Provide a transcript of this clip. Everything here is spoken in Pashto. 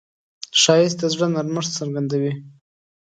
ښایست د زړه نرمښت څرګندوي